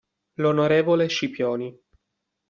L'onorevole Scipioni.